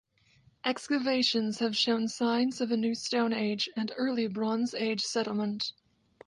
Excavations have shown signs of a New Stone Age and early Bronze Age settlement.